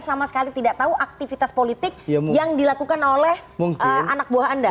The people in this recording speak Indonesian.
sama sekali tidak tahu aktivitas politik yang dilakukan oleh anak buah anda